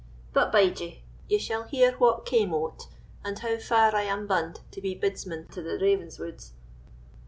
But bide ye, ye shall hear what cam o't, and how far I am bund to be bedesman to the Ravenswoods.